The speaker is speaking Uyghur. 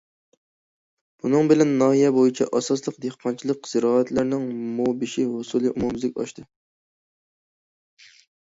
بۇنىڭ بىلەن ناھىيە بويىچە ئاساسلىق دېھقانچىلىق زىرائەتلىرىنىڭ مو بېشى ھوسۇلى ئومۇميۈزلۈك ئاشتى.